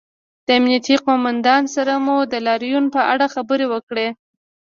د امنیې قومندان سره مو د لاریون په اړه خبرې وکړې